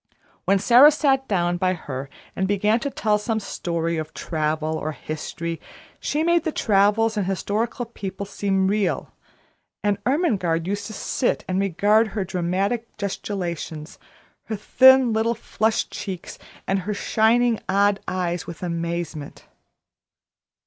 When Sara sat down by her and began to tell some story of travel or history, she made the travellers and historical people seem real; and Ermengarde used to sit and regard her dramatic gesticulations, her thin little flushed cheeks, and her shining, odd eyes with amazement.